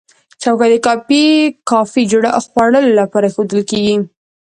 چوکۍ د کافي خوړلو لپاره ایښودل کېږي.